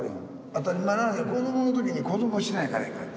当たり前なのに子どもの時に子どもをしないからいかん。